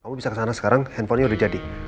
kamu bisa kesana sekarang handphonenya udah jadi